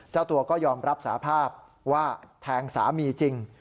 เจ้าตัวก็ยอมรับสาภาพว่าแทงสามีจริง